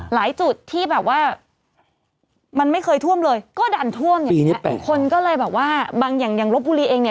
จุดที่แบบว่ามันไม่เคยท่วมเลยก็ดันท่วมอย่างเงี้ยคนก็เลยแบบว่าบางอย่างอย่างลบบุรีเองเนี่ย